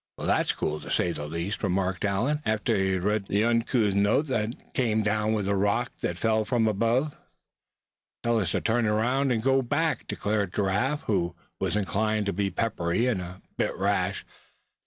"Well, that's cool, to say the least," remarked Allan, after he had read the uncouth note that had come down with the rock that fell from above. "Tells us to turn right around, and go back," declared Giraffe, who was inclined to be peppery, and a bit rash.